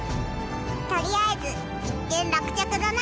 とりあえず一件落着だな。